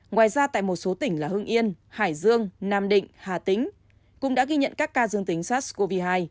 ngoài ra tại một số tỉnh là hương yên hải dương nam định hà tĩnh cũng đã ghi nhận các ca dương tính sars cov hai